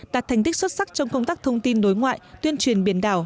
đạt thành tích xuất sắc trong công tác thông tin đối ngoại tuyên truyền biển đảo